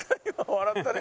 笑ったね？